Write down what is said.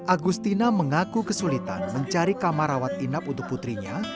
agustina mengaku kesulitan mencari kamar rawat inap untuk putrinya